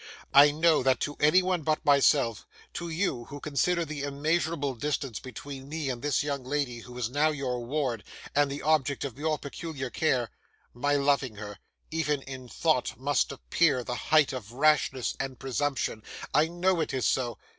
I know that to anyone but myself to you, who consider the immeasurable distance between me and this young lady, who is now your ward, and the object of your peculiar care my loving her, even in thought, must appear the height of rashness and presumption. I know it is so.